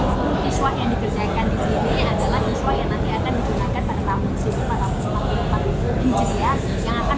dan ini terbuat dari emas